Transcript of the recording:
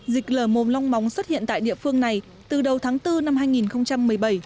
dịch lở mồm long móng xuất hiện tại địa phương này từ đầu tháng bốn năm hai nghìn một mươi bảy